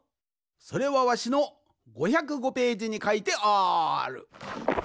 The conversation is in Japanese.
それはわしの５０５ページにかいてある。